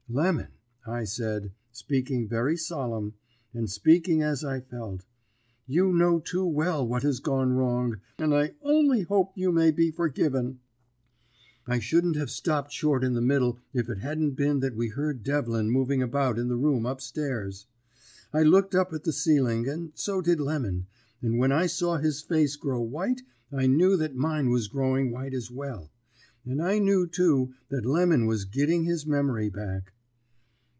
"'Lemon,' I said, speaking very solemn, and speaking as I felt, 'you know too well what has gone wrong, and I only hope you may be forgiven.' "I shouldn't have stopped short in the middle if it hadn't been that we heard Devlin moving about in the room up stairs. I looked up at the ceiling, and so did Lemon, and when I saw his face grow white I knew that mine was growing white as well; and I knew, too, that Lemon was gitting his memory back.